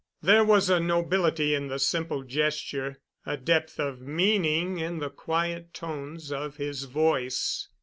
There was a nobility in the simple gesture, a depth of meaning in the quiet tones of his voice.